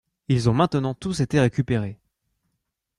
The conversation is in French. Ils ont maintenant tous été récupérés.